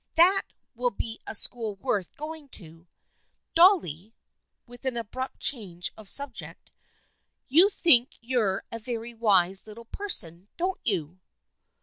That will be a school worth going to. Dolly,'' with an abrupt change of subject, " you think you're a very wise little per son, don't you